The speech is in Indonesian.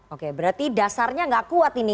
oke berarti dasarnya nggak kuat ini